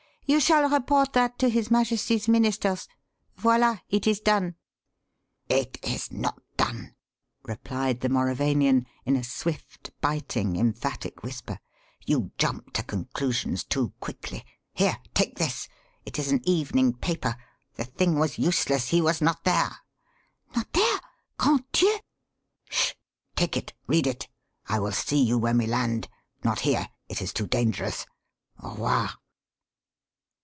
"You shall report that to his Majesty's ministers. Voila, it is done!" "It is not done!" replied the Mauravanian, in a swift, biting, emphatic whisper. "You jump to conclusions too quickly. Here! take this. It is an evening paper. The thing was useless he was not there!" "Not there! Grande Dieu!" "Sh h! Take it read it. I will see you when we land. Not here it is too dangerous. Au revoir!"